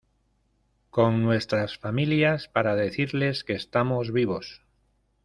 con nuestras familias para decirles que estamos vivos.